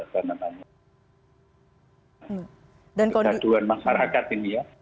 kegelisahan masyarakat ini ya